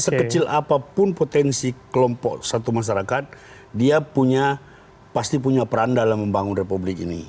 sekecil apapun potensi kelompok satu masyarakat dia punya pasti punya peran dalam membangun republik ini